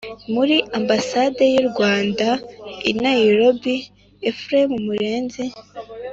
muri Ambasade y u Rwanda I Nairobi Ephraim Murenzi